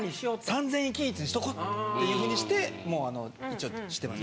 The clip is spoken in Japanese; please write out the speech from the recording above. ３０００円均一にしとこうっていうふうにしてもうあの一応してます。